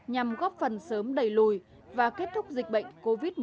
nhằm góp phần sớm đẩy lùi và kết thúc dịch bệnh covid một mươi chín